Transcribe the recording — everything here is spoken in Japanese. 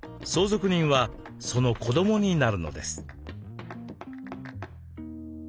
相続人はその子どもになるのです。